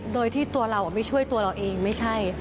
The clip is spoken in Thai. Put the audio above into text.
โดยที่ตัวเราไม่ช่วยตัวเราเองไม่ใช่